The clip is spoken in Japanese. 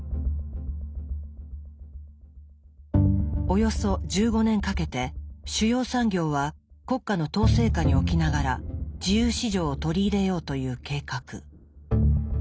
およそ１５年かけて主要産業は国家の統制下に置きながら自由市場を取り入れようという計画。